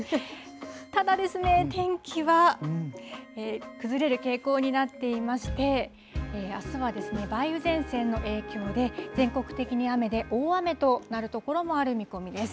ただですね、天気はくずれる傾向になっていましてあすはですね、梅雨前線の影響で全国的に雨で大雨となる所もある見込みです。